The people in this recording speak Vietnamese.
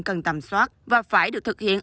cần tầm xóa và phải được thực hiện